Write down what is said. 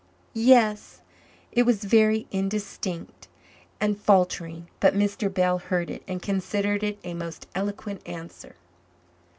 "Ye e e s." It was very indistinct and faltering, but Mr. Bell heard it and considered it a most eloquent answer.